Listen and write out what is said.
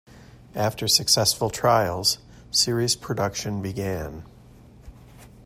After successful trials, series production began.